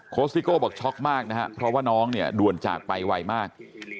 ซิโก้บอกช็อกมากนะครับเพราะว่าน้องเนี่ยด่วนจากไปไวมาก